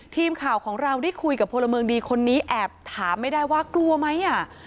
ทีมข่าวของเราได้คุยกับพลเมืองดีคนนี้แอบถามไม่ได้ว่ากลัวไหมอ่ะ